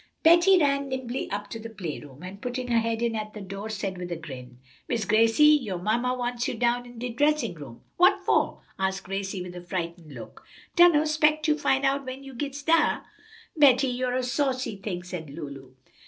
Betty ran nimbly up to the play room, and putting her head in at the door, said with a grin, "Miss Gracie, yo' ma wants you down in de dressin' room." "What for?" asked Gracie, with a frightened look. "Dunno, s'pect you fin' out when you gits dar." "Betty, you're a saucy thing," said Lulu.